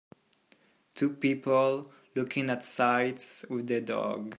Two people looking at sights with their dog.